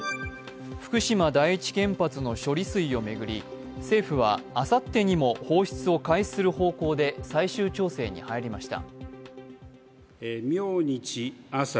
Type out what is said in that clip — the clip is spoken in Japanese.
福島第一原発の処理水を巡り、政府はあさってにも放出を開始する方向で最終調整に入りました。